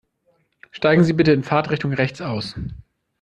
Steigen Sie bitte in Fahrtrichtung rechts aus.